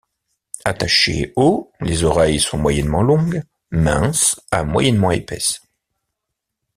Attachées haut, les oreilles sont moyennement longues, minces à moyennement épaisses.